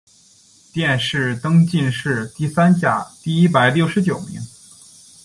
殿试登进士第三甲第一百六十九名。